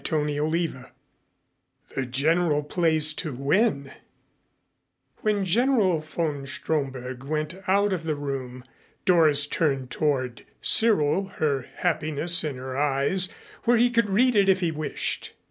CHAPTER XVI THE GENERAL PLAYS TO WIN When General von Stromberg went out of the room Doris turned toward Cyril, her happiness in her eyes where he could read it if he wished.